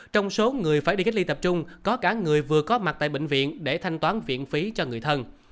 trong số người phải đi cách ly tập trung có cả người vừa có mặt tại bệnh viện để thanh toán viện phí cho người thân